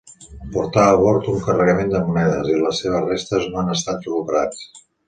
Portava a bord un carregament de monedes, i les seves restes no han estat recuperats.